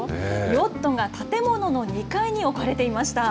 ヨットが建物の２階に置かれていました。